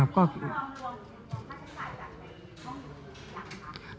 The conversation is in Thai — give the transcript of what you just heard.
ความรวมค่าใช้จ่ายจากในช่องยูทูปอย่างไงครับ